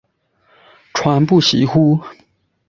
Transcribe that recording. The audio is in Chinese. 传不习乎？